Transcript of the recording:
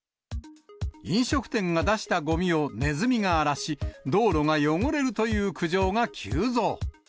飲食店が出したごみをネズミが荒らし、道路が汚れるという苦情が急増。